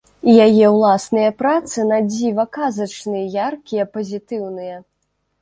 Яе ўласныя працы на дзіва казачныя, яркія, пазітыўныя.